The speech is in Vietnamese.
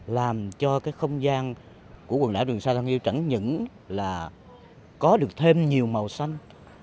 làm cho cái không gian của quần đảo trường sa thân yêu chẳng những là có được thêm nhiều màu xanh